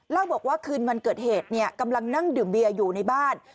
เล่าบอกว่าคืนวันเกิดเหตุกำลังนั่งดื่มเบียร์อยู่ในบ้าน